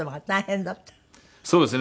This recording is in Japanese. そうですね。